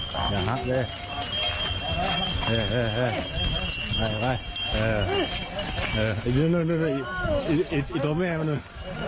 ไปด้วยไปด้วย